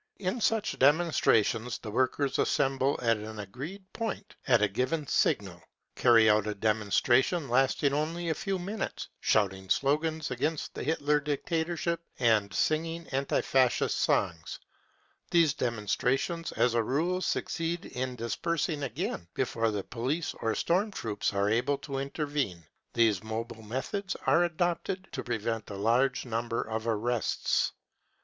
In such demonstrations the workers assemble at an agreed point at a given signal, carry out a demonstration lasting only a few minutes, shouting slogans against the Hitler dictatorship and singing anti Fascist songs. These demon % strations as a rule succeed in dispersing again before the 1 /% 1 330 BROWN BOOK OF THE HITLER TERROR police or storm troops are able to intervene ; these mobile methods are adopted to prevent a large number of arrests.